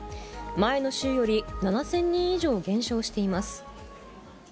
前の週より７０００人以上減少しています。